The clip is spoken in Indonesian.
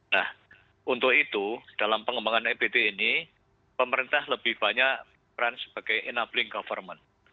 nah untuk itu dalam pengembangan ebt ini pemerintah lebih banyak peran sebagai enabling government